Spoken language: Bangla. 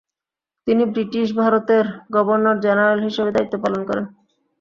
তিনি ব্রিটিশ ভারতের গভর্নর জেনারেল হিসেবে দায়িত্ব পালন করেন।